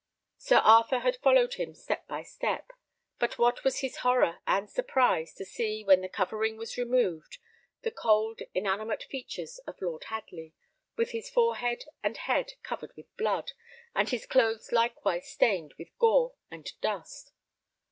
Sir Arthur had followed him step by step, but what was his horror and surprise to see, when the covering was removed, the cold, inanimate features of Lord Hadley, with his forehead and head covered with blood, and his clothes likewise stained with gore and dust.